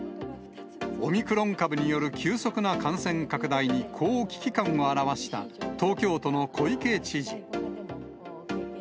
オミクロン株による急速な感染拡大に、こう危機感を表した東京都の小池知事。